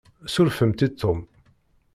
Surfemt i Tom.